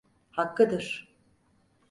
Hakkıdır…